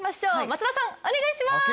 松田さん、お願いします。